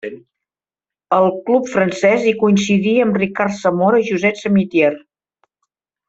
Al club francès hi coincidí amb Ricard Zamora i Josep Samitier.